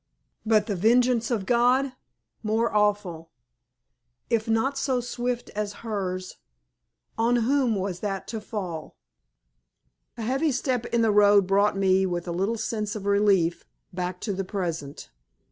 But the vengeance of God more awful, if not so swift as hers on whom was that to fall? A heavy step in the road brought me, with a little sense of relief, back to the present.